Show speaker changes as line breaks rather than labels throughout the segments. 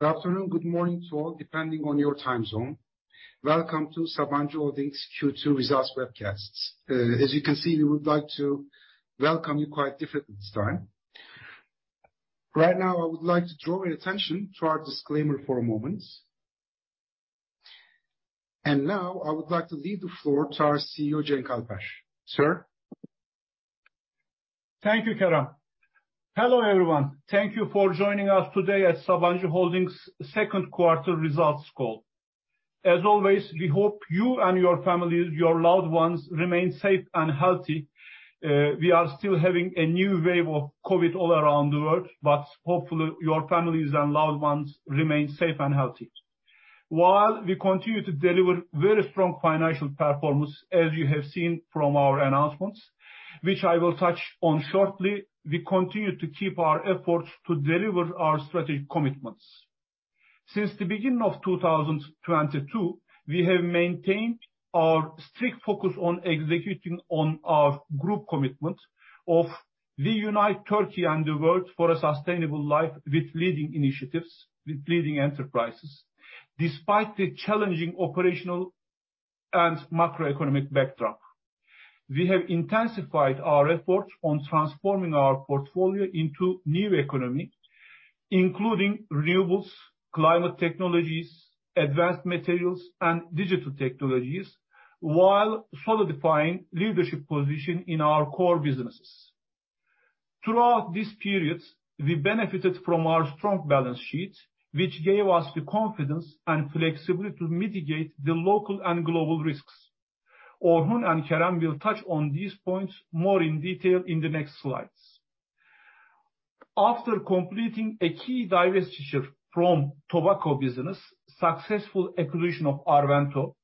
Good afternoon, good morning to all, depending on your time zone. Welcome to Sabancı Holding's Q2 Results Webcast. As you can see, we would like to welcome you quite differently this time. Right now, I would like to draw your attention to our disclaimer for a moment. Now, I would like to leave the floor to our CEO, Cenk Alper. Sir.
Thank you, Kerem. Hello, everyone. Thank you for joining us today at Sabancı Holding's second quarter results call. As always, we hope you and your families, your loved ones, remain safe and healthy. We are still having a new wave of COVID all around the world, but hopefully, your families and loved ones remain safe and healthy. While we continue to deliver very strong financial performance as you have seen from our announcements, which I will touch on shortly, we continue to keep our efforts to deliver our strategic commitments. Since the beginning of 2022, we have maintained our strict focus on executing on our group commitment of we unite Turkey and the world for a sustainable life with leading initiatives, with leading enterprises, despite the challenging operational and macroeconomic backdrop. We have intensified our effort on transforming our portfolio into new economy, including renewables, climate technologies, advanced materials, and digital technologies, while solidifying leadership position in our core businesses. Throughout this period, we benefited from our strong balance sheet, which gave us the confidence and flexibility to mitigate the local and global risks. Orhun and Kerem will touch on these points more in detail in the next slides. After completing a key divestiture from tobacco business, successful acquisition of Arvento,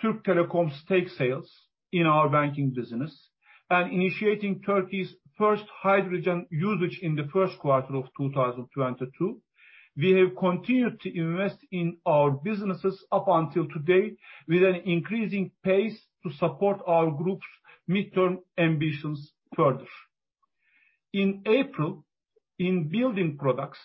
Türk Telekom stake sales in our banking business, and initiating Turkey's first hydrogen usage in the first quarter of 2022, we have continued to invest in our businesses up until today with an increasing pace to support our group's midterm ambitions further. In April, in building products,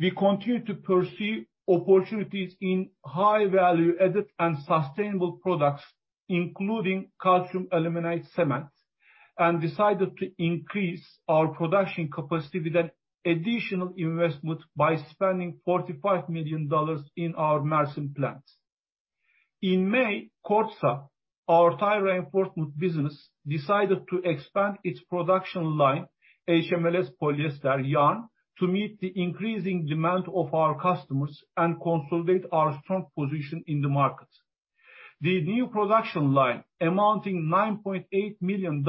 we continued to pursue opportunities in high value added and sustainable products, including calcium aluminate cement, and decided to increase our production capacity with an additional investment by spending $45 million in our Mersin plants. In May, Kordsa, our tire reinforcement business, decided to expand its production line, HMLS polyester yarn, to meet the increasing demand of our customers and consolidate our strong position in the market. The new production line amounting $9.8 million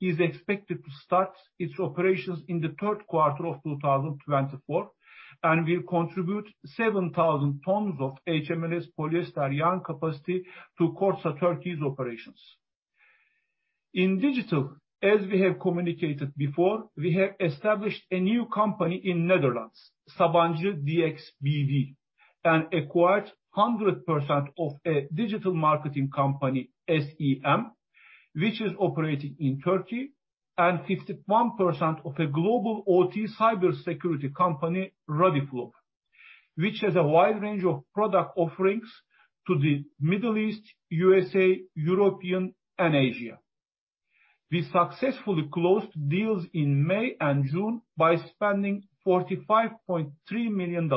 is expected to start its operations in the third quarter of 2024 and will contribute 7,000 tons of HMLS polyester yarn capacity to Kordsa Turkey's operations. In digital, as we have communicated before, we have established a new company in the Netherlands, Sabancı Dx B.V., and acquired 100% of a digital marketing company, SEM, which is operating in Turkey, and 51% of a global OT cybersecurity company, Radiflow, which has a wide range of product offerings to the Middle East, USA, Europe, and Asia. We successfully closed deals in May and June by spending $45.3 million.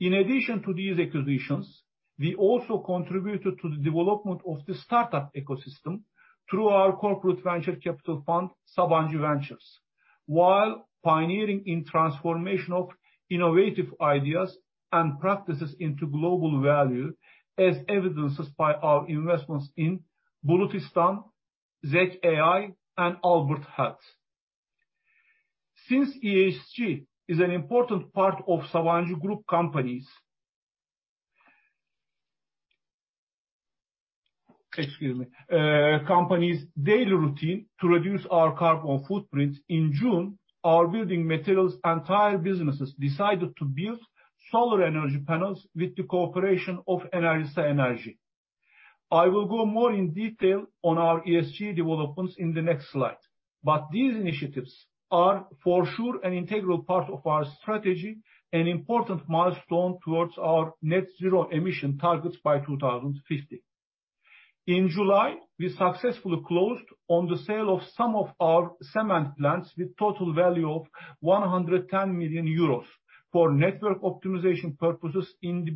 In addition to these acquisitions, we also contributed to the development of the startup ecosystem through our corporate venture capital fund, Sabancı Ventures, while pioneering in transformation of innovative ideas and practices into global value as evidenced by our investments in Bulutistan, Zek.ai, and Albert Labs. Since ESG is an important part of Sabancı group companies. Excuse me, company's daily routine to reduce our carbon footprint. In June, our building materials and tire businesses decided to build solar energy panels with the cooperation of Enerjisa Enerji. I will go more in detail on our ESG developments in the next slide, but these initiatives are for sure an integral part of our strategy, an important milestone towards our net zero emission targets by 2050. In July, we successfully closed on the sale of some of our cement plants with total value of 110 million euros for network optimization purposes in the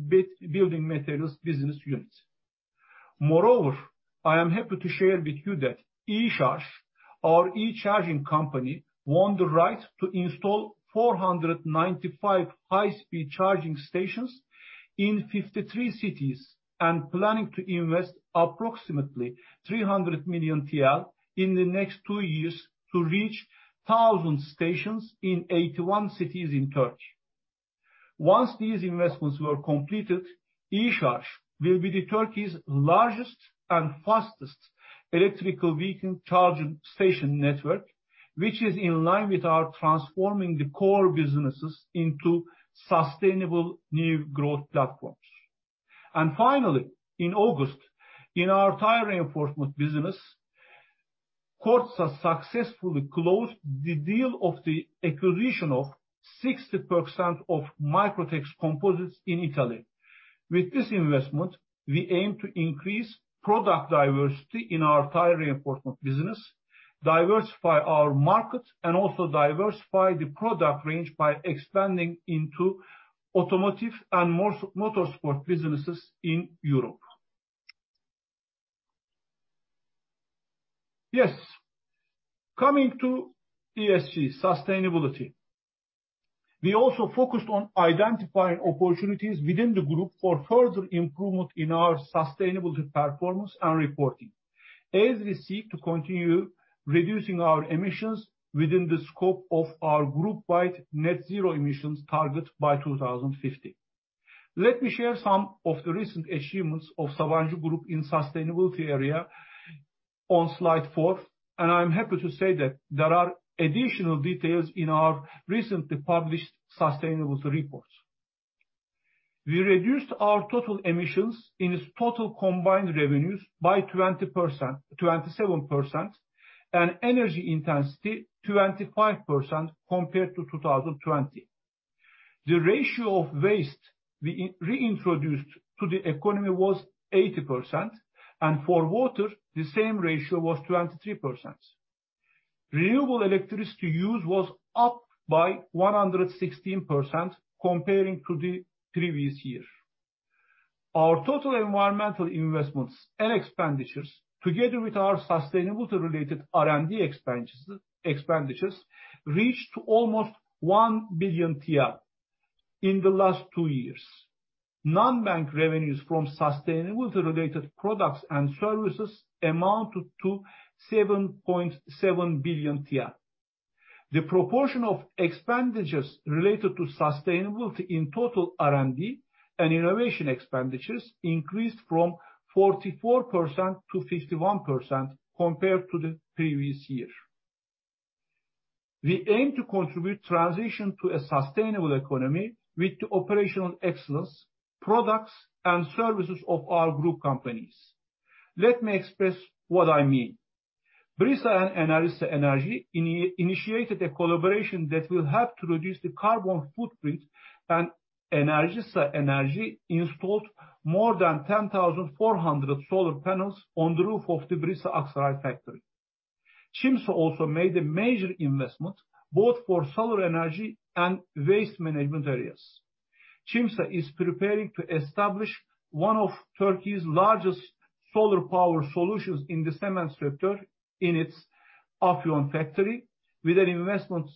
building materials business units. Moreover, I am happy to share with you that Eşarj, our e-charging company, won the right to install 495 high-speed charging stations in 53 cities and planning to invest approximately 300 million TL in the next two years to reach 1,000 stations in 81 cities in Turkey. Once these investments were completed, Eşarj will be Turkey's largest and fastest electric vehicle charging station network, which is in line with our transforming the core businesses into sustainable new growth platforms. Finally, in August, in our tire reinforcement business-Kordsa successfully closed the deal of the acquisition of 60% of Microtex Composites in Italy. With this investment, we aim to increase product diversity in our tire reinforcement business, diversify our markets, and also diversify the product range by expanding into automotive and motorsport businesses in Europe. Yes. Coming to ESG, sustainability. We also focused on identifying opportunities within the group for further improvement in our sustainability performance and reporting, as we seek to continue reducing our emissions within the scope of our group-wide net zero emissions target by 2050. Let me share some of the recent achievements of Sabancı Group in sustainability area on slide four, and I'm happy to say that there are additional details in our recently published sustainability report. We reduced our total emissions in its total combined revenues by 27% and energy intensity 25% compared to 2020. The ratio of waste we reintroduced to the economy was 80%, and for water, the same ratio was 23%. Renewable electricity use was up by 116% compared to the previous year. Our total environmental investments and expenditures, together with our sustainability-related R&D expenditures, reached almost 1 billion TL in the last two years. Non-bank revenues from sustainability-related products and services amounted to 7.7 billion. The proportion of expenditures related to sustainability in total R&D and innovation expenditures increased from 44% to 51% compared to the previous year. We aim to contribute transition to a sustainable economy with the operational excellence, products, and services of our group companies. Let me express what I mean. Brisa and Enerjisa Enerji initiated a collaboration that will help to reduce the carbon footprint, and Enerjisa Enerji installed more than 10,400 solar panels on the roof of the Brisa Aksaray factory. Çimsa also made a major investment both for solar energy and waste management areas. Çimsa is preparing to establish one of Turkey's largest solar power solutions in the cement sector in its Afyon factory with an investment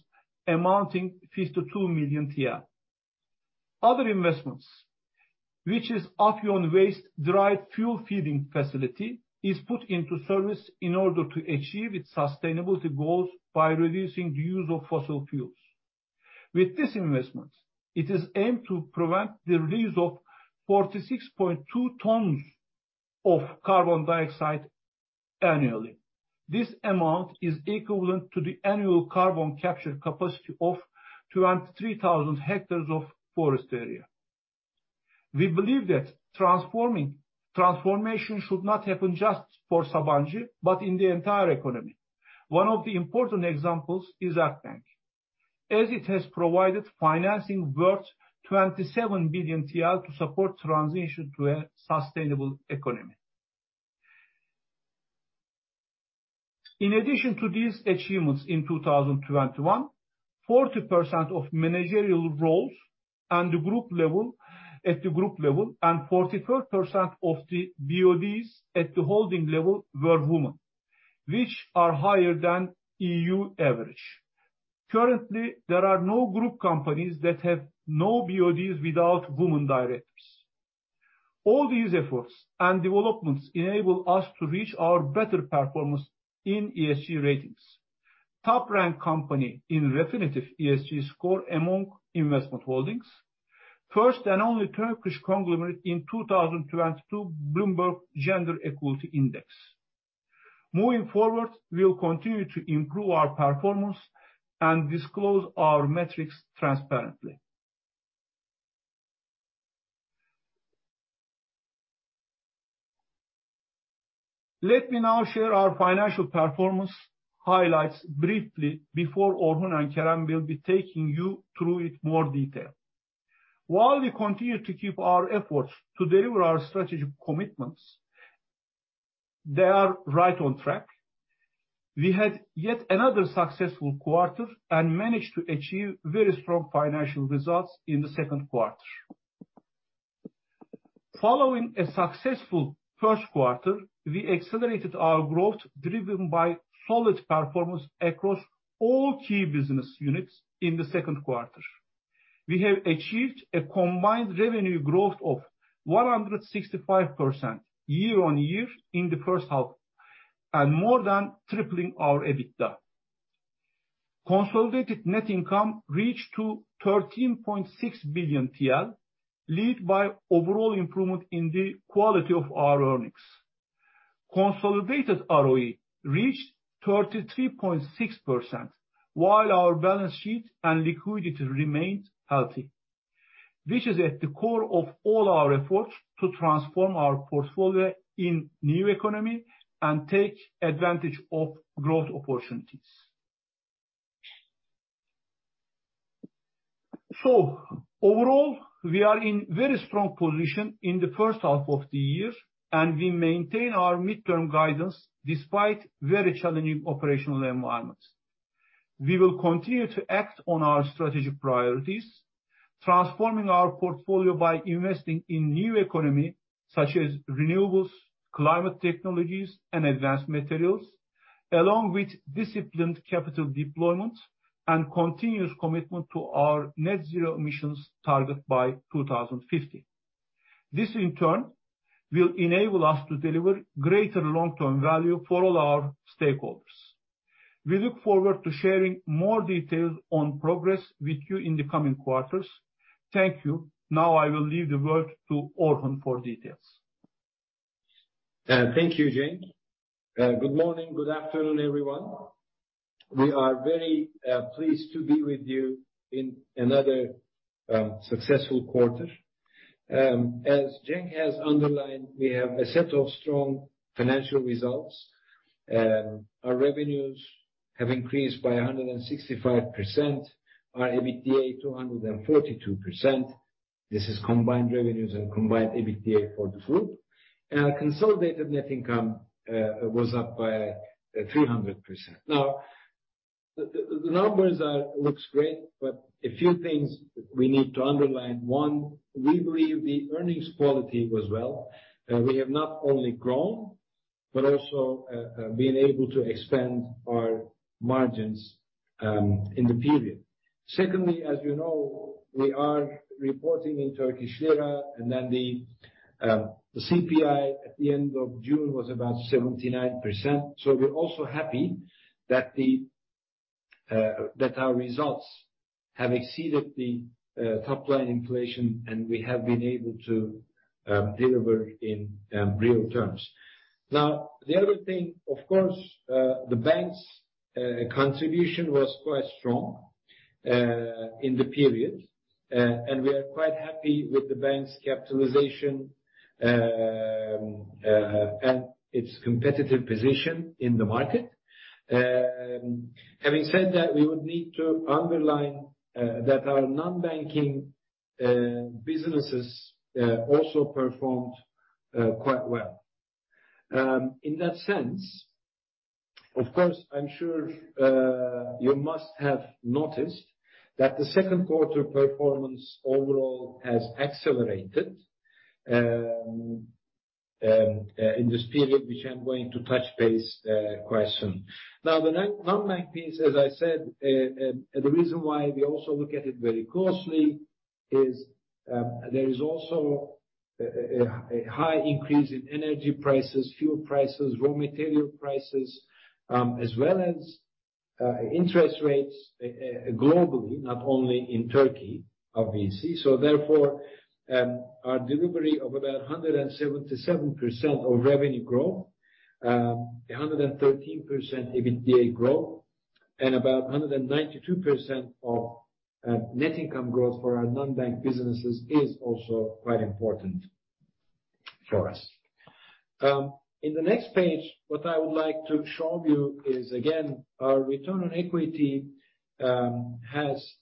amounting to TRY 52 million. Other investments, which is Afyon waste-derived fuel feeding facility, is put into service in order to achieve its sustainability goals by reducing the use of fossil fuels. With this investment, it is aimed to prevent the release of 46.2 tons of carbon dioxide annually. This amount is equivalent to the annual carbon capture capacity of 23,000 hectares of forest area. We believe that transformation should not happen just for Sabancı but in the entire economy. One of the important examples is Akbank, as it has provided financing worth 27 billion TL to support transition to a sustainable economy. In addition to these achievements, in 2021, 40% of managerial roles at the group level and 44% of the BoDs at the holding level were women, which are higher than EU average. Currently, there are no group companies that have no BoDs without women directors. All these efforts and developments enable us to reach our better performance in ESG ratings. Top-ranked company in Refinitiv ESG score among investment holdings. First and only Turkish conglomerate in 2022 Bloomberg Gender-Equality Index. Moving forward, we'll continue to improve our performance and disclose our metrics transparently. Let me now share our financial performance highlights briefly before Orhun and Kerem will be taking you through it in more detail. While we continue to keep our efforts to deliver our strategic commitments, they are right on track. We had yet another successful quarter and managed to achieve very strong financial results in the second quarter. Following a successful first quarter, we accelerated our growth driven by solid performance across all key business units in the second quarter. We have achieved a combined revenue growth of 165% year-over-year in the first half and more than tripling our EBITDA. Consolidated net income reached 13.6 billion TL, led by overall improvement in the quality of our earnings. Consolidated ROE reached 33.6%, while our balance sheet and liquidity remained healthy, which is at the core of all our efforts to transform our portfolio in new economy and take advantage of growth opportunities. Overall, we are in very strong position in the first half of the year, and we maintain our midterm guidance despite very challenging operational environments. We will continue to act on our strategic priorities, transforming our portfolio by investing in new economy, such as renewables, climate technologies, and advanced materials, along with disciplined capital deployment and continuous commitment to our net zero emissions target by 2050. This in turn, will enable us to deliver greater long-term value for all our stakeholders. We look forward to sharing more details on progress with you in the coming quarters. Thank you. Now I will leave the word to Orhun for details.
Thank you, Cenk. Good morning, good afternoon, everyone. We are very pleased to be with you in another successful quarter. As Cenk has underlined, we have a set of strong financial results. Our revenues have increased by 165%. Our EBITDA 242%. This is combined revenues and combined EBITDA for the group. Our consolidated net income was up by 300%. Now, the numbers look great, but a few things we need to underline. One, we believe the earnings quality was well. We have not only grown, but also been able to expand our margins in the period. Secondly, as you know, we are reporting in Turkish lira, and then the CPI at the end of June was about 79%. We're also happy that our results have exceeded the top line inflation, and we have been able to deliver in real terms. Now, the other thing, of course, the bank's contribution was quite strong in the period. We are quite happy with the bank's capitalization and its competitive position in the market. Having said that, we would need to underline that our non-banking businesses also performed quite well. In that sense, of course, I'm sure you must have noticed that the second quarter performance overall has accelerated in this period, which I'm going to touch base quite soon. Now, the non-bank piece, as I said, the reason why we also look at it very closely is, there is also a high increase in energy prices, fuel prices, raw material prices, as well as, interest rates, globally, not only in Turkey, obviously. Therefore, our delivery of about 177% of revenue growth, 113% EBITDA growth, and about 192% of net income growth for our non-bank businesses is also quite important for us. In the next page, what I would like to show you is, again, our return on equity has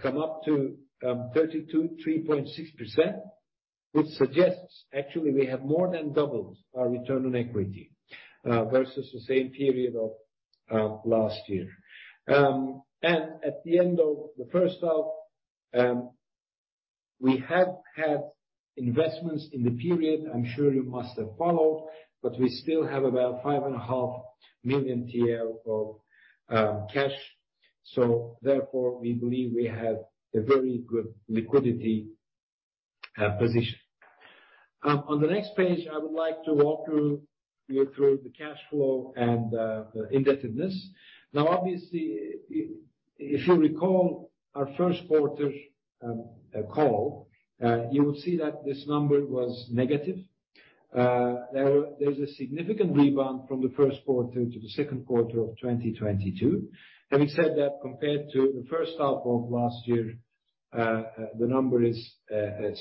come up to 32.6%, which suggests actually we have more than doubled our return on equity versus the same period of last year. At the end of the first half, we have had investments in the period. I'm sure you must have followed, but we still have about 5.5 million TL of cash. Therefore, we believe we have a very good liquidity position. On the next page, I would like to walk you through the cash flow and the indebtedness. Now, obviously, if you recall our first quarter call, you will see that this number was negative. There's a significant rebound from the first quarter to the second quarter of 2022. Having said that, compared to the first half of last year, the number is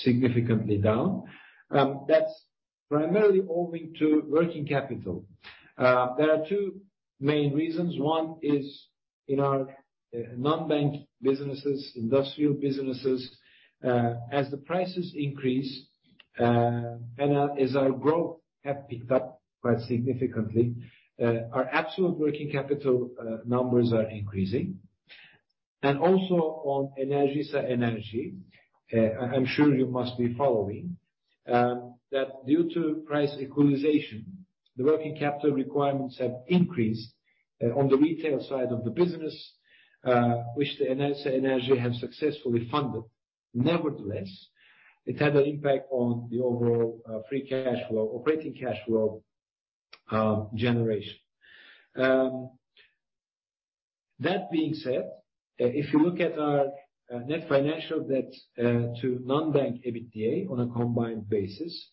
significantly down. That's primarily owing to working capital. There are two main reasons. One is in our non-bank businesses, industrial businesses. As the prices increase, as our growth have picked up quite significantly, our absolute working capital numbers are increasing. Also on Enerjisa Enerji, I'm sure you must be following that due to price equalization, the working capital requirements have increased on the retail side of the business, which the Enerjisa Enerji have successfully funded. Nevertheless, it had an impact on the overall free cash flow, operating cash flow generation. That being said, if you look at our net financial debt to non-bank EBITDA on a combined basis,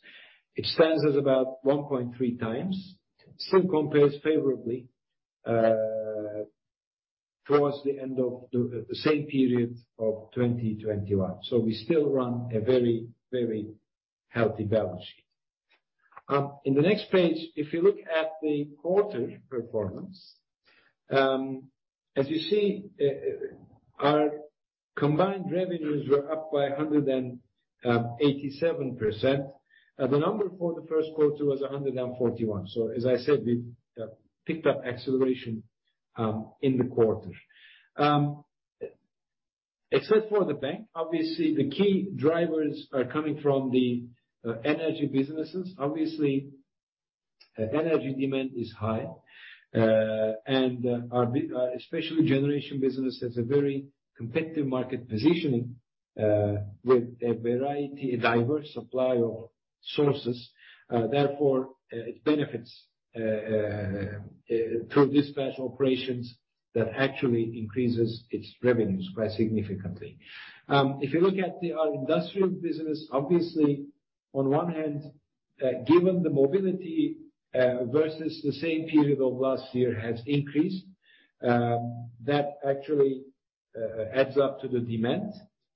it stands at about 1.3x. Still compares favorably towards the end of the same period of 2021. We still run a very, very healthy balance sheet. In the next page, if you look at the quarter performance, as you see, our combined revenues were up by 187%. The number for the first quarter was 141%. As I said, we've picked up acceleration in the quarter. Except for the bank, obviously the key drivers are coming from the energy businesses. Obviously, energy demand is high, and our specialty generation business has a very competitive market positioning with a variety, a diverse supply of sources, therefore, it benefits through dispatch operations that actually increases its revenues quite significantly. If you look at our industrial business, obviously on one hand, given the mobility versus the same period of last year has increased, that actually adds up to the demand.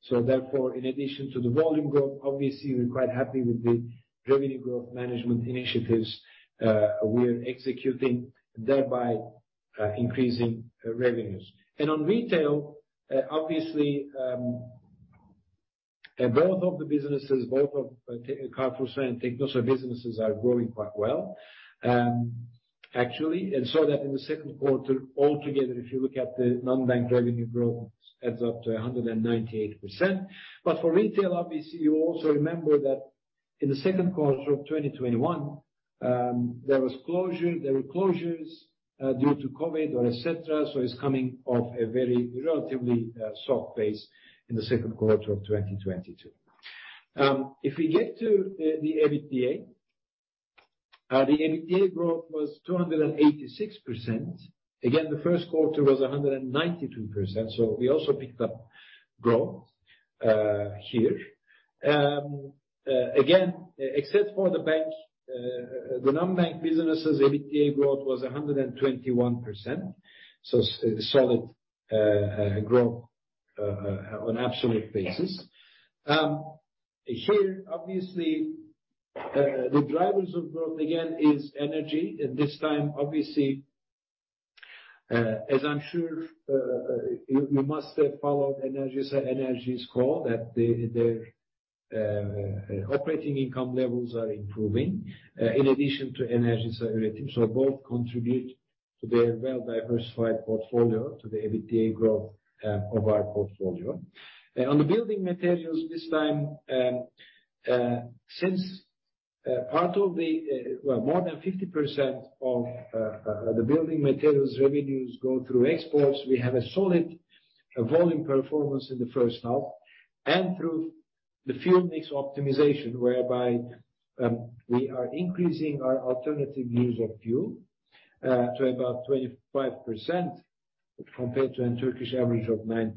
Therefore, in addition to the volume growth, obviously we're quite happy with the revenue growth management initiatives we're executing, thereby increasing revenues. On retail, obviously, both of the businesses, both of CarrefourSA and Teknosa businesses are growing quite well, actually. That in the second quarter, altogether, if you look at the non-bank revenue growth, adds up to 198%. For retail, obviously, you also remember that in the second quarter of 2021, there were closures due to COVID or etc, so it's coming off a very relatively soft base in the second quarter of 2022. If we get to the EBITDA. The EBITDA growth was 286%. Again, the first quarter was 192%, so we also picked up growth here. Again, except for the bank, the non-bank businesses EBITDA growth was 121%, so solid growth on absolute basis. Here, obviously, the drivers of growth again is energy. This time, obviously, as I'm sure you must have followed Enerjisa Enerji's call that their operating income levels are improving, in addition to Enerjisa's rating. Both contribute to their well-diversified portfolio, to the EBITDA growth of our portfolio. On the building materials, this time, well, since more than 50% of the building materials revenues go through exports, we have a solid volume performance in the first half. Through the fuel mix optimization, whereby we are increasing our alternative use of fuel to about 25% compared to a Turkish average of 9%.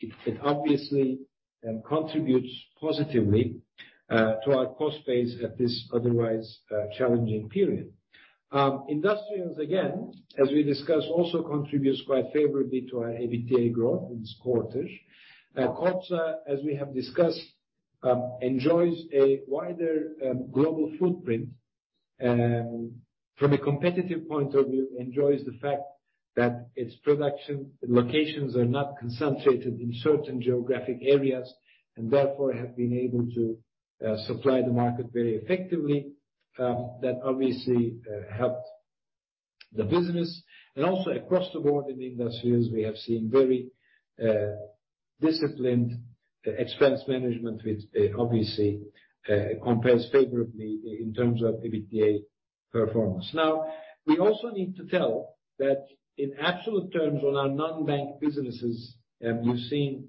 It obviously contributes positively to our cost base at this otherwise challenging period. Industrials, again, as we discussed, also contributes quite favorably to our EBITDA growth in this quarter. Kordsa, as we have discussed, enjoys a wider global footprint. From a competitive point of view, enjoys the fact that its production locations are not concentrated in certain geographic areas, and therefore have been able to supply the market very effectively. That obviously helped the business. Also across the board in industrials, we have seen very disciplined expense management, which obviously compares favorably in terms of EBITDA performance. Now, we also need to tell that in absolute terms on our non-bank businesses, you've seen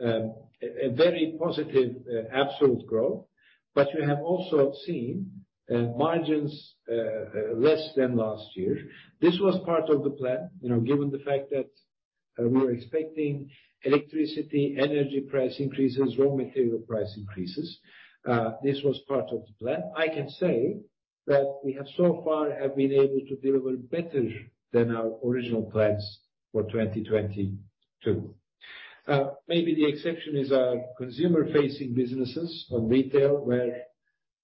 a very positive absolute growth, but you have also seen margins less than last year. This was part of the plan, you know, given the fact that we were expecting electricity, energy price increases, raw material price increases. This was part of the plan. I can say that we have so far been able to deliver better than our original plans for 2022. Maybe the exception is our consumer-facing businesses on retail, where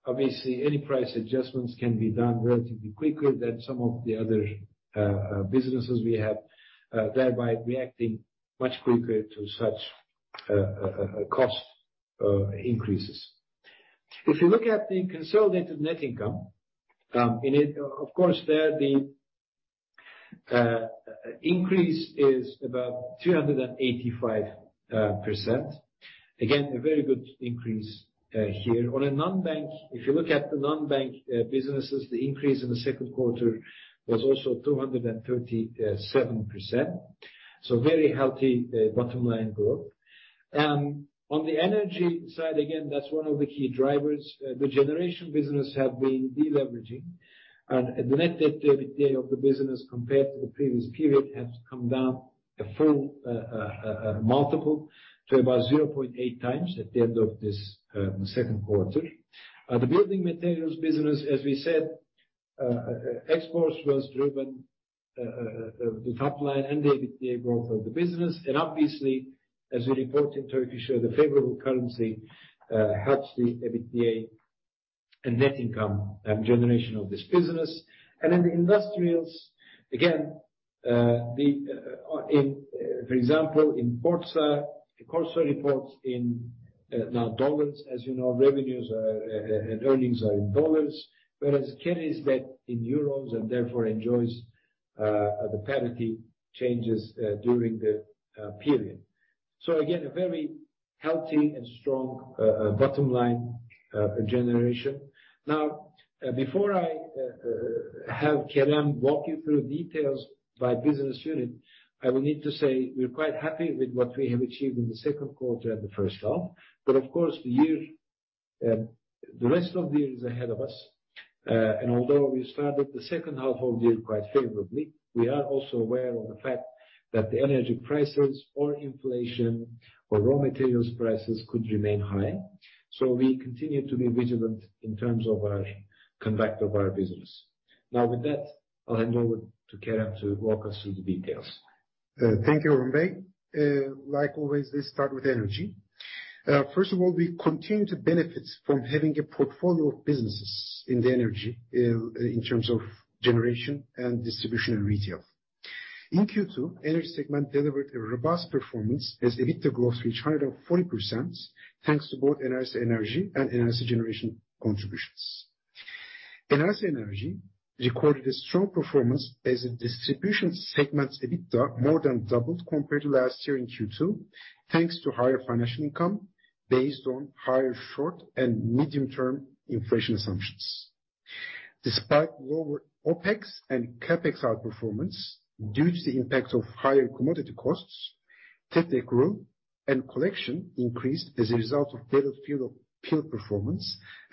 obviously any price adjustments can be done relatively quicker than some of the other businesses we have, thereby reacting much quicker to such cost increases. If you look at the consolidated net income, of course there the increase is about 385%. Again, a very good increase here. On a non-bank, if you look at the non-bank businesses, the increase in the second quarter was also 237%, so very healthy bottom line growth. On the energy side, again, that's one of the key drivers. The generation business have been de-leveraging, and the net debt to EBITDA of the business compared to the previous period has come down a full multiple to about 0.8x at the end of this second quarter. The building materials business, as we said, exports drove the top line and the EBITDA growth of the business. Obviously, as we report in Turkish, so the favorable currency helps the EBITDA and net income and generation of this business. In the industrials, again, for example, in Brisa reports in dollars now, as you know, revenues are and earnings are in dollars. Whereas Kordsa's debt is in euros, and therefore enjoys the parity changes during the period. Again, a very healthy and strong bottom line generation. Now, before I have Kerem walk you through details by business unit, I will need to say we're quite happy with what we have achieved in the second quarter and the first half. Of course, the rest of the year is ahead of us. Although we started the second half of the year quite favorably, we are also aware of the fact that the energy prices or inflation or raw materials prices could remain high. We continue to be vigilant in terms of our conduct of our business. Now with that, I'll hand over to Kerem to walk us through the details.
Thank you, N. Orhun Köstem. Like always, let's start with energy. First of all, we continue to benefit from having a portfolio of businesses in the energy in terms of generation and distribution and retail. In Q2, energy segment delivered a robust performance as EBITDA growth reached 140%, thanks to both Enerjisa Enerji and Enerjisa Üretim contributions. Enerjisa Enerji recorded a strong performance as the distribution segment's EBITDA more than doubled compared to last year in Q2, thanks to higher financial income based on higher short- and medium-term inflation assumptions. Despite lower OpEx and CapEx outperformance due to the impact of higher commodity costs, technical loss and collection increased as a result of better field performance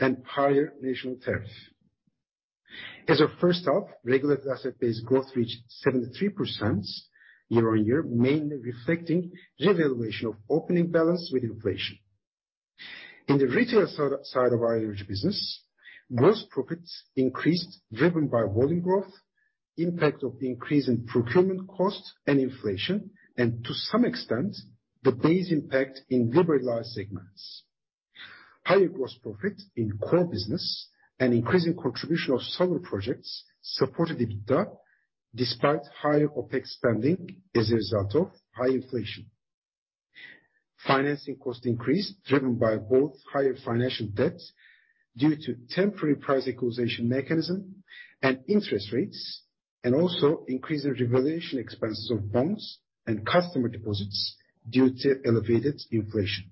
and higher national tariff. As of first half, regulated asset base growth reached 73% year-on-year, mainly reflecting revaluation of opening balance with inflation. In the retail side of our energy business, gross profits increased, driven by volume growth, impact of the increase in procurement cost and inflation, and to some extent, the base impact in liberalized segments. Higher gross profit in core business and increasing contribution of solar projects supported EBITDA, despite higher OpEx spending as a result of high inflation. Financing cost increased, driven by both higher financial debt due to temporary price equalization mechanism and interest rates, and also increase in revaluation expenses of bonds and customer deposits due to elevated inflation.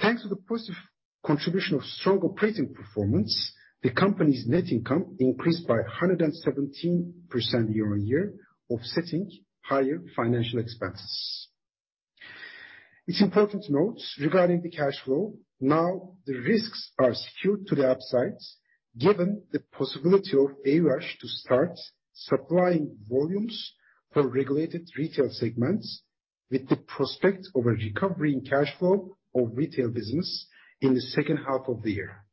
Thanks to the positive contribution of strong operating performance, the company's net income increased by 117% year-on-year, offsetting higher financial expenses. It's important to note regarding the cash flow, now the risks are skewed to the upside given the possibility of Enerjisa to start supplying volumes for regulated retail segments with the prospect of a recovery in cash flow of retail business in the second half of the year.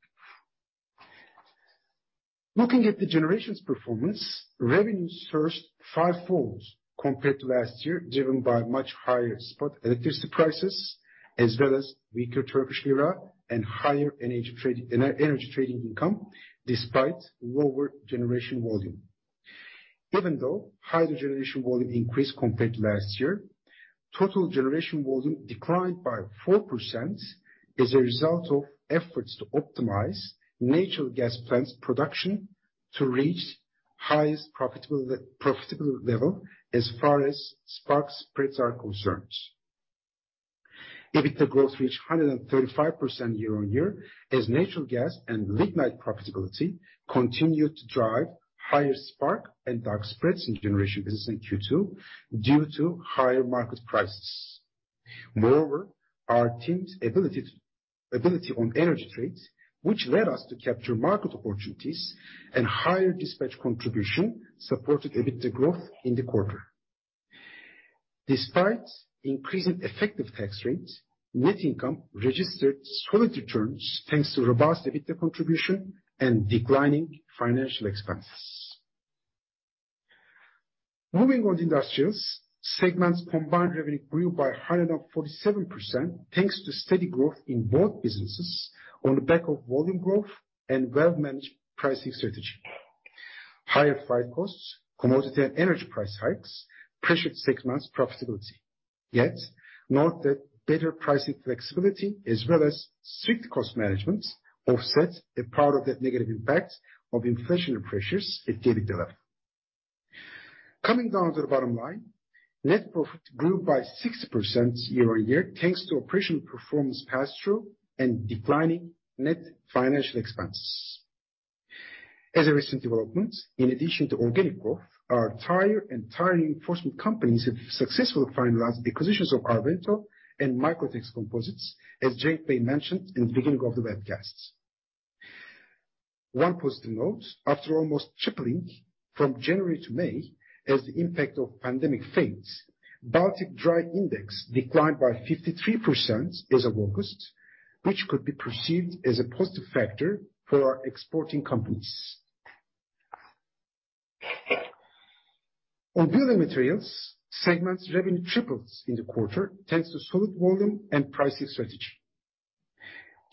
Looking at the generation's performance, revenues surged five-fold compared to last year, driven by much higher spot electricity prices as well as weaker Turkish lira and higher energy trading income despite lower generation volume. Even though hydro generation volume increased compared to last year, total generation volume declined by 4% as a result of efforts to optimize natural gas plants' production to reach highest profitability level as far as spark spreads are concerned. EBITDA growth reached 135% year-on-year as natural gas and lignite profitability continued to drive higher spark and dark spreads in generation business in Q2 due to higher market prices. Moreover, our team's ability on energy trades, which led us to capture market opportunities and higher dispatch contribution, supported EBITDA growth in the quarter. Despite increasing effective tax rates, net income registered solid returns thanks to robust EBITDA contribution and declining financial expenses. Moving on to industrials segments combined revenue grew by 147% thanks to steady growth in both businesses on the back of volume growth and well-managed pricing strategy. Higher freight costs, commodity and energy price hikes pressured segments profitability. Yet, note that better pricing flexibility as well as strict cost management offset a part of that negative impact of inflationary pressures at EBITDA level. Coming down to the bottom line, net profit grew by 60% year-on-year thanks to operational performance pass-through and declining net financial expenses. As a recent development, in addition to organic growth, our tire and tire reinforcement companies have successfully finalized acquisitions of Arvento and Microtex Composites, as Cenk Alper mentioned in the beginning of the webcast. One positive note, after almost tripling from January to May, as the impact of pandemic fades, Baltic Dry Index declined by 53% as of August, which could be perceived as a positive factor for our exporting companies. On building materials, segment's revenue triples in the quarter, thanks to solid volume and pricing strategy.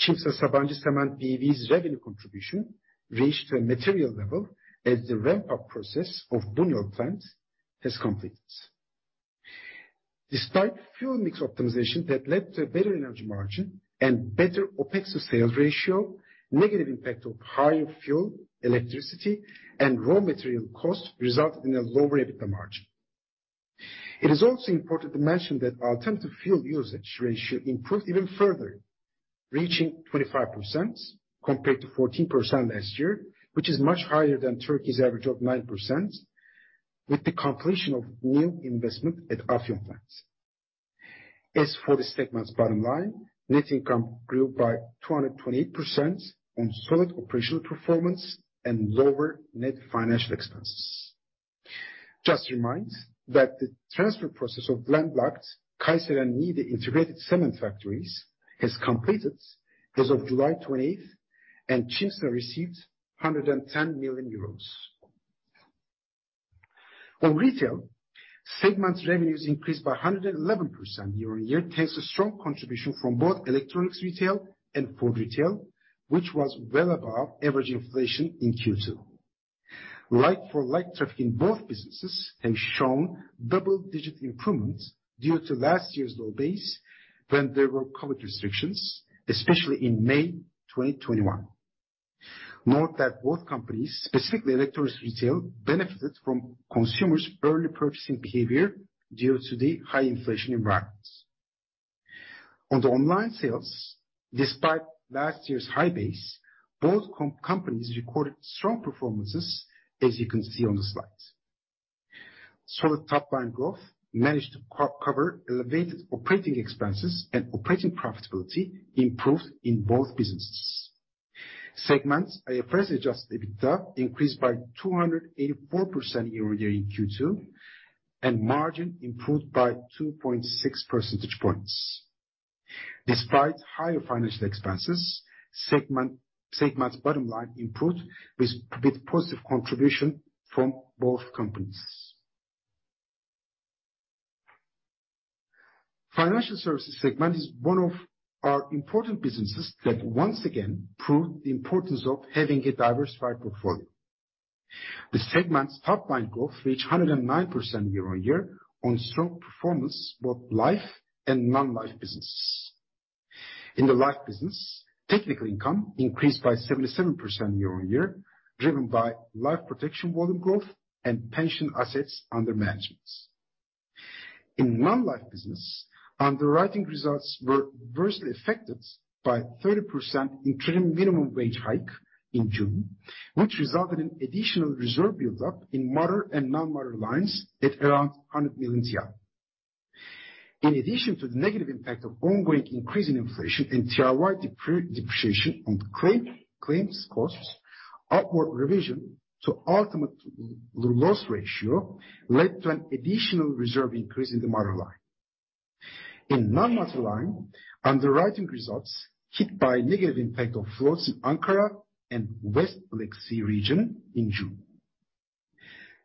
Çimsa Sabancı Cement B.V.'s revenue contribution reached a material level as the ramp-up process of Buñol plant has completed. Despite fuel mix optimization that led to a better energy margin and better OpEx sales ratio, negative impact of higher fuel, electricity, and raw material costs resulted in a lower EBITDA margin. It is also important to mention that alternative fuel usage ratio improved even further, reaching 25% compared to 14% last year, which is much higher than Turkey's average of 9% with the completion of new investment at Afyon plants. As for this segment's bottom line, net income grew by 228% on solid operational performance and lower net financial expenses. Just to remind that the transfer process of landlocked Kayseri and Niğde integrated cement factories has completed as of July twentieth, and Çimsa received EUR 110 million. On retail, segment's revenues increased by 111% year-on-year, thanks to strong contribution from both electronics retail and food retail, which was well above average inflation in Q2. Like-for-like traffic in both businesses have shown double-digit improvement due to last year's low base when there were COVID restrictions, especially in May 2021. Note that both companies, specifically electronics retail, benefited from consumers' early purchasing behavior due to the high inflation environments. On the online sales, despite last year's high base, both companies recorded strong performances, as you can see on the slides. Solid top line growth managed to cover elevated operating expenses and operating profitability improved in both businesses. Segment's adjusted EBITDA increased by 284% year-on-year in Q2, and margin improved by 2.6 percentage points. Despite higher financial expenses, segment's bottom line improved with positive contribution from both companies. Financial services segment is one of our important businesses that once again proved the importance of having a diversified portfolio. The segment's top line growth reached 109% year-over-year on strong performance both life and non-life businesses. In the life business, technical income increased by 77% year-over-year, driven by life protection volume growth and pension assets under management. In non-life business, underwriting results were adversely affected by 30% increase in minimum wage hike in June, which resulted in additional reserve build-up in motor and non-motor lines at around 100 million. In addition to the negative impact of ongoing increasing inflation and TRY depreciation on claims costs, upward revision to ultimate loss ratio led to an additional reserve increase in the motor line. In non-motor line, underwriting results hit by negative impact of floods in Ankara and West Black Sea region in June.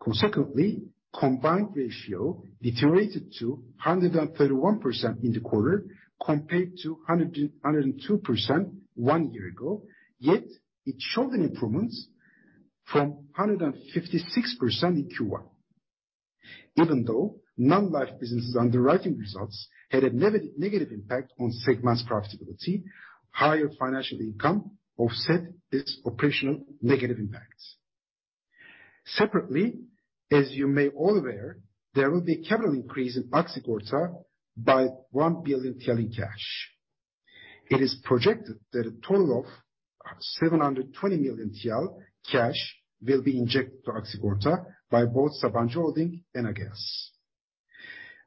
Consequently, combined ratio deteriorated to 131% in the quarter compared to 102% one year ago, yet it showed an improvement from 156% in Q1. Even though non-life businesses' underwriting results had a negative impact on segment's profitability, higher financial income offset its operational negative impact. Separately, as you may all aware, there will be a capital increase in Aksigorta by 1 billion in cash. It is projected that a total of seven hundred and twenty million TL cash will be injected to Aksigorta by both Sabancı Holding and Ageas.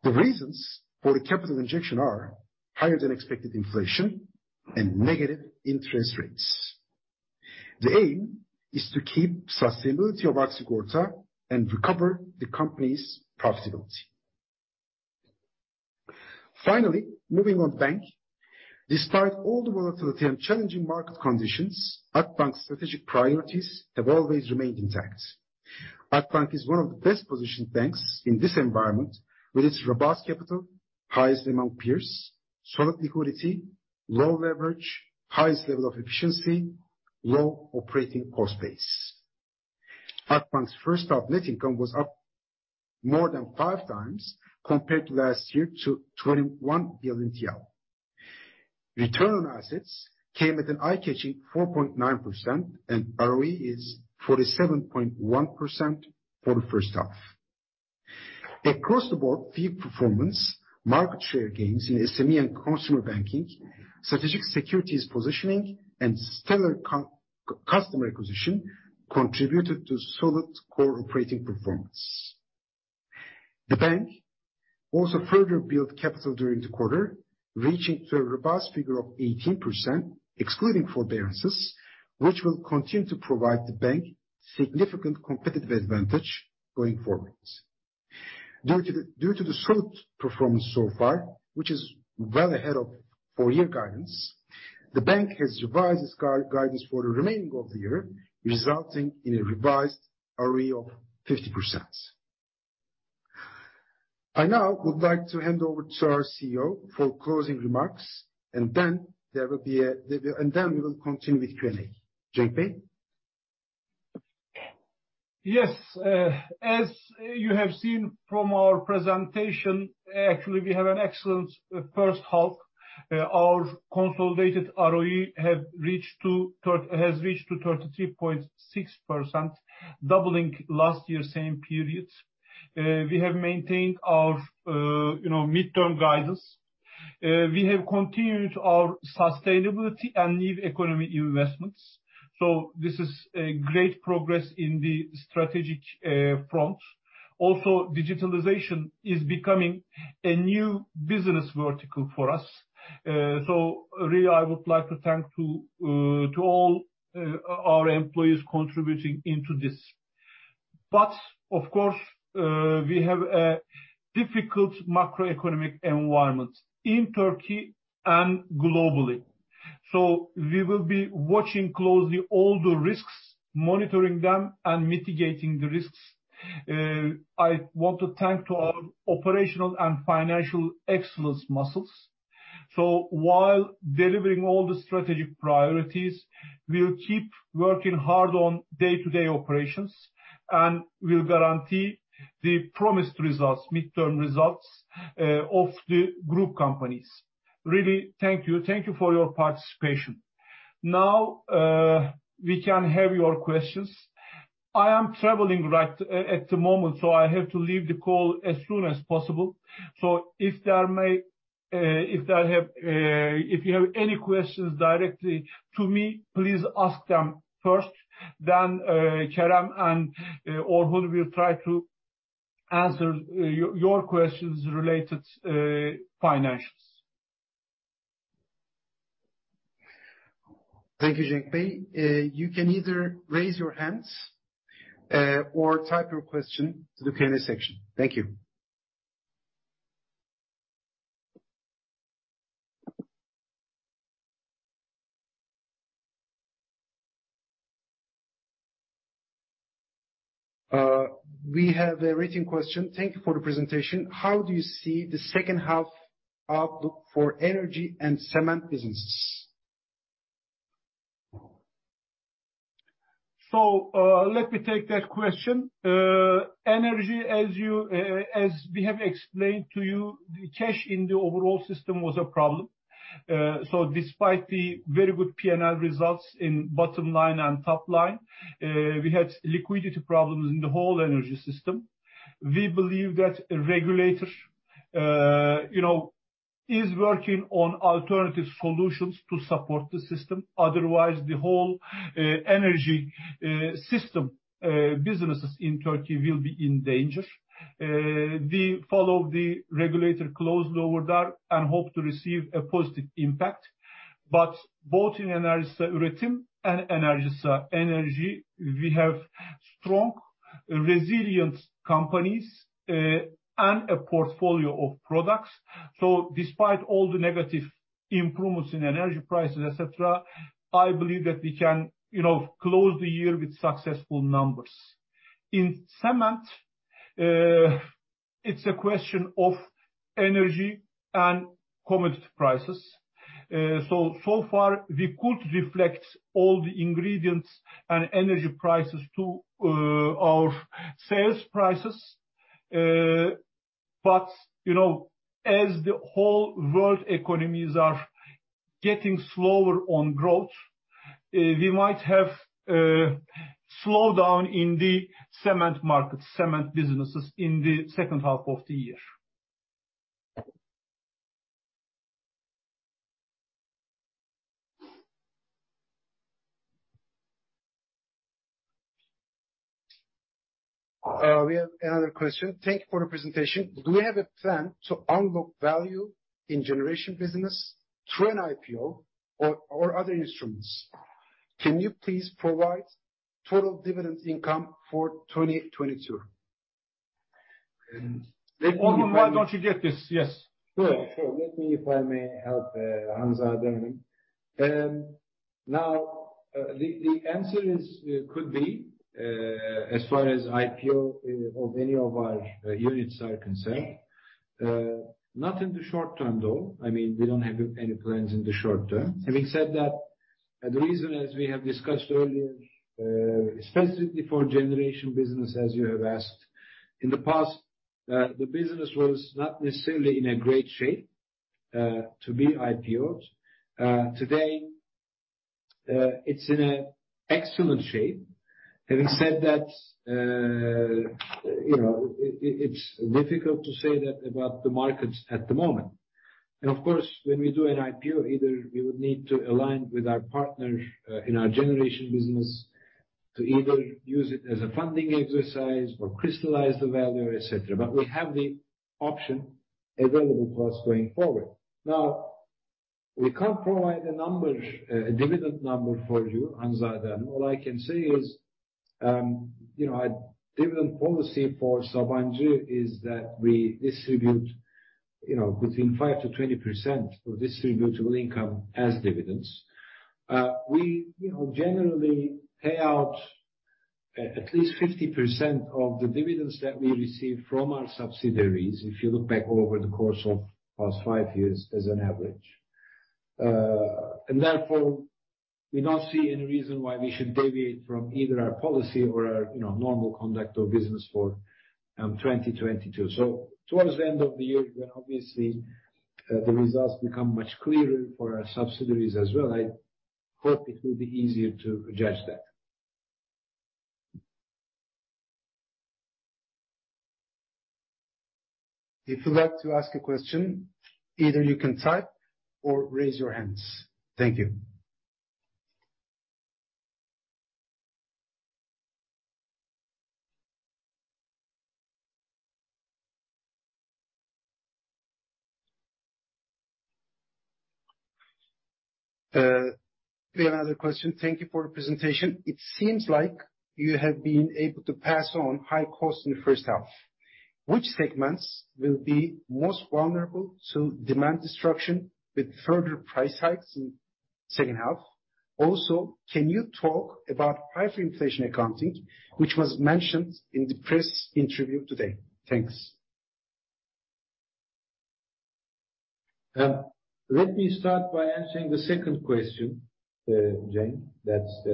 The reasons for the capital injection are higher than expected inflation and negative interest rates. The aim is to keep sustainability of Aksigorta and recover the company's profitability. Finally, moving on bank. Despite all the volatility and challenging market conditions, Akbank's strategic priorities have always remained intact. Akbank is one of the best-positioned banks in this environment with its robust capital, highest among peers, solid liquidity, low leverage, highest level of efficiency, low operating cost base. Akbank's first half net income was up more than 5x compared to last year to 21 billion TL. Return on assets came at an eye-catching 4.9%, and ROE is 47.1% for the first half. Across the board, fee performance, market share gains in SME and consumer banking, strategic securities positioning, and stellar customer acquisition contributed to solid core operating performance. The bank also further built capital during the quarter, reaching to a robust figure of 18%, excluding forbearances, which will continue to provide the bank significant competitive advantage going forward. Due to the solid performance so far, which is well ahead of full year guidance, the bank has revised its guidance for the remainder of the year, resulting in a revised ROE of 50%. I now would like to hand over to our CEO for closing remarks, and then we will continue with Q&A. Cenk Alper?
Yes. As you have seen from our presentation, actually we have an excellent first half. Our consolidated ROE has reached to 33.6%, doubling last year same period. We have maintained our, you know, midterm guidance. We have continued our sustainability and new economy investments. This is a great progress in the strategic front. Also, digitalization is becoming a new business vertical for us. Really I would like to thank to all our employees contributing into this. Of course, we have a difficult macroeconomic environment in Turkey and globally. We will be watching closely all the risks, monitoring them and mitigating the risks. I want to thank to our operational and financial excellence muscles. While delivering all the strategic priorities, we'll keep working hard on day-to-day operations, and we'll guarantee the promised results, midterm results of the group companies. Really, thank you for your participation. Now, we can have your questions. I am traveling right at the moment, so I have to leave the call as soon as possible. If you have any questions directly to me, please ask them first, then Kerem and Orhun will try to answer your questions related financials.
Thank you, Cenk Alper. You can either raise your hands or type your question to the Q&A section. Thank you. We have a written question. Thank you for the presentation. How do you see the second half outlook for energy and cement businesses?
Let me take that question. Energy, as you, as we have explained to you, the cash in the overall system was a problem. Despite the very good P&L results in bottom line and top line, we had liquidity problems in the whole energy system. We believe that the regulator, you know, is working on alternative solutions to support the system. Otherwise, the whole energy system businesses in Turkey will be in danger. We follow the regulator closely over there and hope to receive a positive impact. Both in Enerjisa Üretim and Enerjisa Enerji, we have strong, resilient companies, and a portfolio of products. Despite all the negative developments in energy prices, et cetera, I believe that we can, you know, close the year with successful numbers. In cement, it's a question of energy and commodity prices. So far we could reflect all the ingredients and energy prices to our sales prices. You know, as the whole world economies are getting slower on growth, we might have a slowdown in the cement market, cement businesses in the second half of the year.
We have another question. Thank you for the presentation. Do we have a plan to unlock value in generation business through an IPO or other instruments? Can you please provide total dividend income for 2022?
Orhun, why don't you get this? Yes.
Sure. Let me, if I may help, Hamza Demirhan. Now, the answer is, could be, as far as IPO of any of our units are concerned, not in the short term, though. I mean, we don't have any plans in the short term. Having said that, the reason, as we have discussed earlier, specifically for generation business, as you have asked, in the past, the business was not necessarily in a great shape, to be IPOd. Today, it's in an excellent shape. Having said that, it's difficult to say that about the markets at the moment. Of course, when we do an IPO, either we would need to align with our partner, in our generation business to either use it as a funding exercise or crystallize the value, et cetera. We have the option available for us going forward. Now, we can't provide a number, a dividend number for you, Hamza Demirhan. All I can say is, you know, our dividend policy for Sabancı is that we distribute, you know, between 5%-20% of distributable income as dividends. We, you know, generally pay out at least 50% of the dividends that we receive from our subsidiaries, if you look back over the course of past five years as an average. Therefore, we don't see any reason why we should deviate from either our policy or our, you know, normal conduct of business for 2022. Towards the end of the year, when obviously, the results become much clearer for our subsidiaries as well, I hope it will be easier to judge that. If you'd like to ask a question, either you can type or raise your hands. Thank you. We have another question. Thank you for the presentation. It seems like you have been able to pass on high cost in the first half. Which segments will be most vulnerable to demand destruction with further price hikes in second half? Also, can you talk about hyperinflation accounting, which was mentioned in the press interview today? Thanks. Let me start by answering the second question, Jane, that's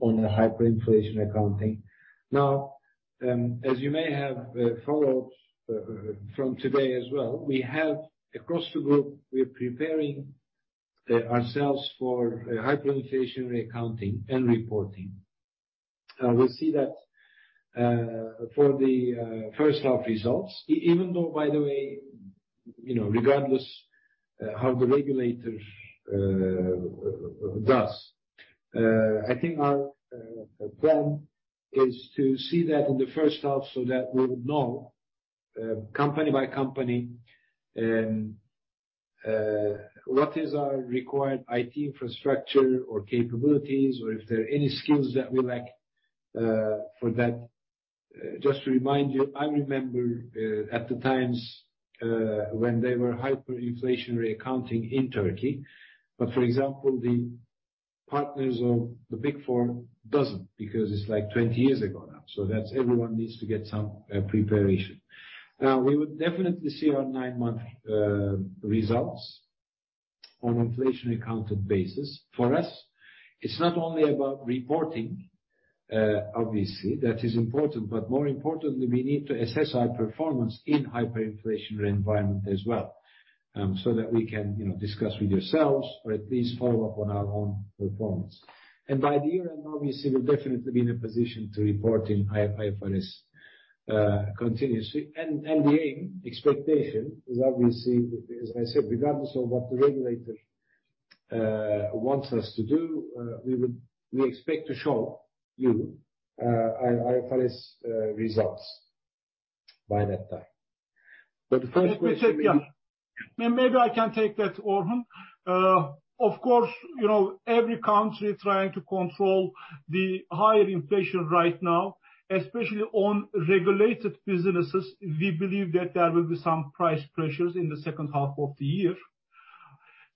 on the hyperinflation accounting. Now, as you may have followed from today as well, we have across the group, we're preparing ourselves for hyperinflationary accounting and reporting. We'll see that for the first half results, even though, by the way, you know, regardless how the regulator does. I think our plan is to see that in the first half so that we would know, company by company, what is our required IT infrastructure or capabilities or if there are any skills that we lack, for that. Just to remind you, I remember, at the times, when they were hyperinflationary accounting in Turkey, but for example, the partners of the Big Four doesn't because it's like 20 years ago now, so that's everyone needs to get some preparation. Now, we would definitely see our nine-month results on inflation accounted basis. For us, it's not only about reporting, obviously that is important, but more importantly, we need to assess our performance in hyperinflationary environment as well, so that we can, you know, discuss with yourselves or at least follow up on our own performance. By the year-end, obviously, we'll definitely be in a position to report in IFRS continuously. The aim, expectation is obviously, as I said, regardless of what the regulator wants us to do, we expect to show you IFRS results by that time. The first question is.
Let me take that. Maybe I can take that, Orhan. Of course, you know, every country is trying to control the higher inflation right now, especially on regulated businesses. We believe that there will be some price pressures in the second half of the year.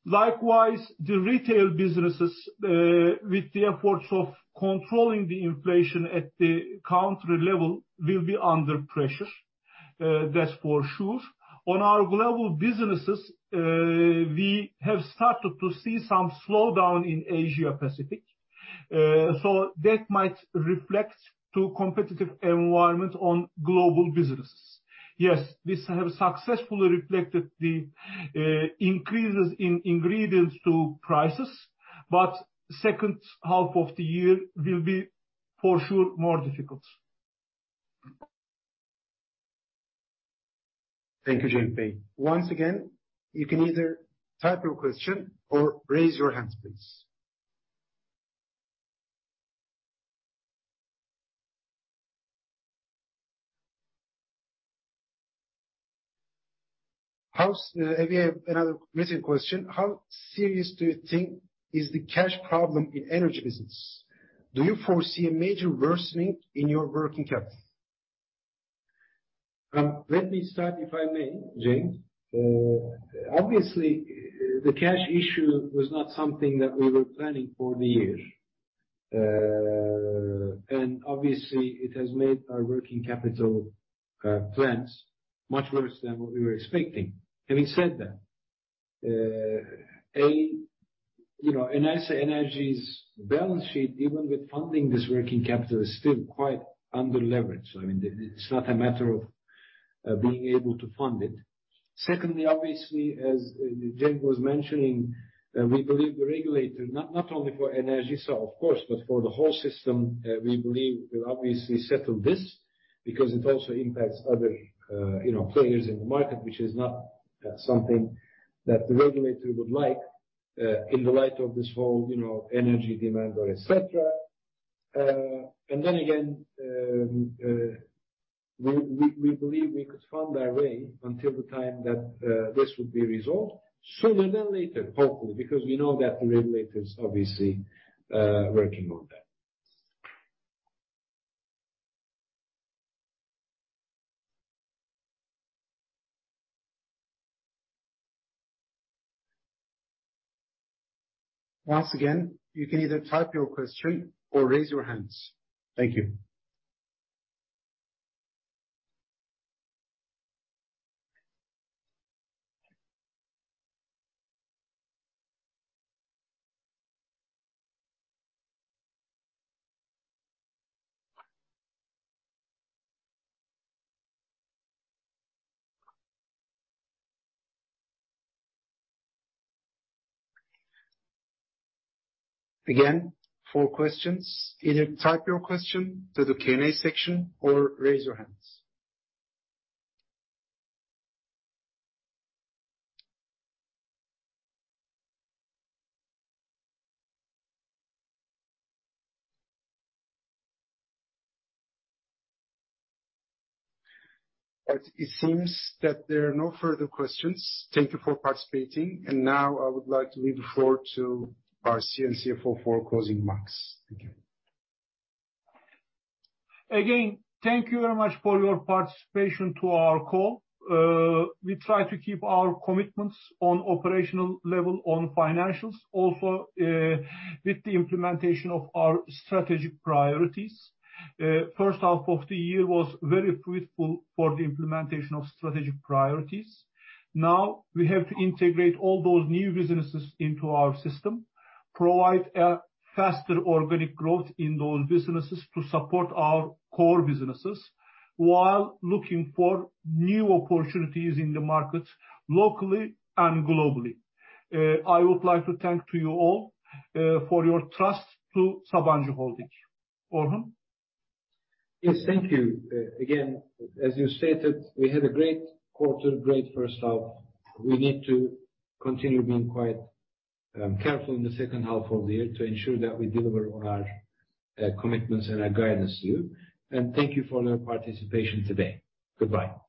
Likewise, the retail businesses, with the efforts of controlling the inflation at the country level, will be under pressure. That's for sure. On our global businesses, we have started to see some slowdown in Asia Pacific. So that might reflect to competitive environment on global business. Yes, we have successfully reflected the, increases in ingredients to prices, but second half of the year will be for sure more difficult.
Thank you, Cenk. Once again, you can either type your question or raise your hand, please. Now, we have another written question. How serious do you think is the cash problem in energy business? Do you foresee a major worsening in your working capital? Let me start, if I may, Jane. Obviously the cash issue was not something that we were planning for the year. Obviously it has made our working capital plans much worse than what we were expecting. Having said that, you know, Enerjisa Enerji's balance sheet, even with funding this working capital, is still quite underleveraged. I mean, it's not a matter of being able to fund it. Secondly, obviously, as Jane was mentioning, we believe the regulator, not only for Enerjisa, of course, but for the whole system, we believe will obviously settle this. Because it also impacts other, you know, players in the market, which is not something that the regulator would like, in the light of this whole, you know, energy demand or et cetera. Again, we believe we could find our way until the time that this would be resolved sooner than later, hopefully. Because we know that the regulator is obviously working on that.
Once again, you can either type your question or raise your hands. Thank you. Again, for questions, either type your question to the Q&A section or raise your hands. It seems that there are no further questions. Thank you for participating. Now I would like to leave the floor to our CFO for closing remarks. Thank you.
Again, thank you very much for your participation to our call. We try to keep our commitments on operational level, on financials, also, with the implementation of our strategic priorities. First half of the year was very fruitful for the implementation of strategic priorities. Now we have to integrate all those new businesses into our system, provide a faster organic growth in those businesses to support our core businesses while looking for new opportunities in the markets locally and globally. I would like to thank to you all, for your trust to Sabancı Holding. Orhan?
Yes. Thank you. Again, as you stated, we had a great quarter, great first half. We need to continue being quite careful in the second half of the year to ensure that we deliver on our commitments and our guidance to you. Thank you for your participation today. Goodbye.